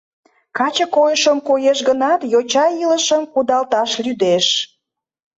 Каче койышым коеш гынат, йоча илышым кудалташ лӱдеш.